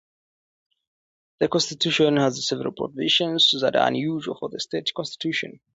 The constitution has several provisions that are unusual for a state constitution.